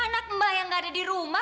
anak mbak yang gak ada di rumah